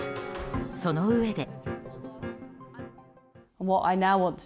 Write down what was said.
そのうえで。